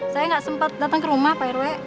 saya nggak sempat datang ke rumah pak rw